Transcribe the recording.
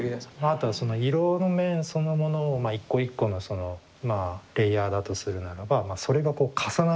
あとはその色の面そのものを一個一個のレイヤーだとするならばそれがこう重なり合ってできている。